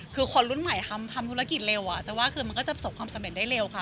คือคนรุ่นใหม่ทำธุรกิจเร็วจะว่าคือมันก็จะประสบความสำเร็จได้เร็วค่ะ